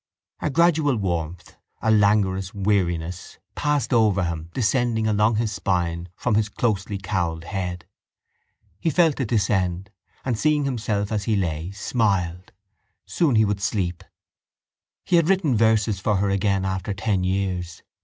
A gradual warmth, a languorous weariness passed over him descending along his spine from his closely cowled head. He felt it descend and, seeing himself as he lay, smiled. Soon he would sleep. He had written verses for her again after ten years.